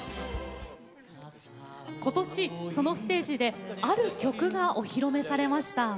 今年そのステージである曲が、お披露目されました。